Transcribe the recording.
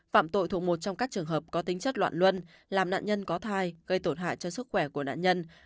phạm tội thuộc một trong các trường hợp có tính chất loạn luân làm nạn nhân có thai gây tổn hại cho sức khỏe của nạn nhân